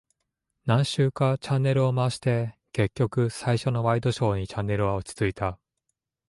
何周かチャンネルを回して、結局最初のワイドショーにチャンネルは落ち着いた。